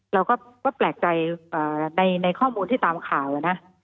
เราก็แปลกใจในข้อมูลที่ตามข่าวนะ